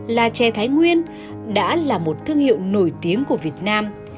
là chè thái nguyên đã là một thương hiệu nổi tiếng của việt nam